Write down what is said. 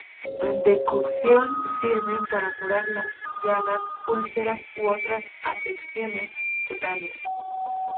En decocción sirven para curar las llagas, úlceras u otras afecciones cutáneas.